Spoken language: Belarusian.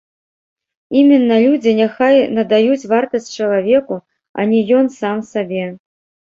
Іменна, людзі няхай надаюць вартасць чалавеку, а не ён сам сабе.